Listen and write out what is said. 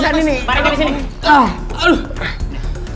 mari dari sini